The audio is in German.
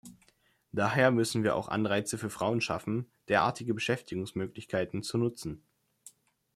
Daher müssen wir auch Anreize für Frauen schaffen, derartige Beschäftigungsmöglichkeiten zu nutzen.